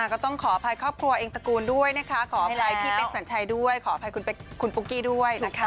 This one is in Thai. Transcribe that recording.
ก็ต้องขออภัยครอบครัวเองตระกูลด้วยนะคะขออภัยพี่เป๊กสัญชัยด้วยขออภัยคุณปุ๊กกี้ด้วยนะคะ